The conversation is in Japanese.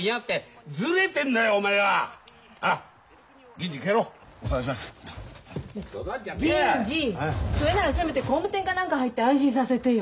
銀次それならせめて工務店か何か入って安心させてよ。